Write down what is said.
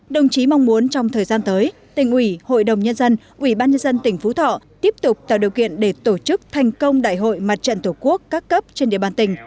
đồng chí mong muốn trong thời gian tới tỉnh ủy hội đồng nhân dân ủy ban nhân dân tỉnh phú thọ tiếp tục tạo điều kiện để tổ chức thành công đại hội mặt trận tổ quốc các cấp trên địa bàn tỉnh